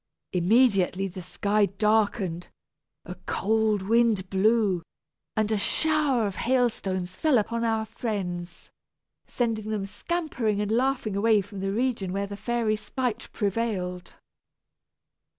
Immediately the sky darkened, a cold wind blew, and a shower of hail stones fell upon our friends, sending them scampering and laughing away from the region where the fairy's spite prevailed.